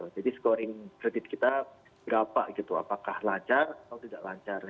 jadi scoring kredit kita berapa apakah lancar atau tidak lancar